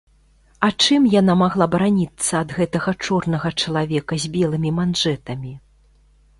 А чым яна магла бараніцца ад гэтага чорнага чалавека з белымі манжэтамі?